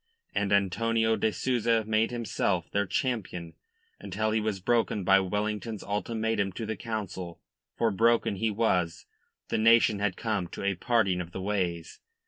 And Antonio de Souza made himself their champion until he was broken by Wellington's ultimatum to the Council. For broken he was. The nation had come to a parting of the ways.